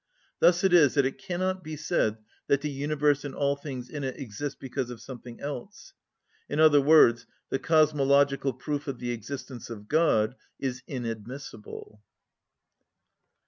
Thus it is that it cannot be said that the universe and all things in it exist because of something else. In other words, the cosmological proof of the existence of God is inadmissible.